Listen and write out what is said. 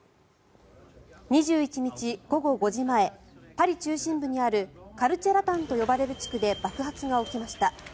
２１日午後５時前パリ中心部にあるカルチエラタンと呼ばれる地区で爆発が起きました。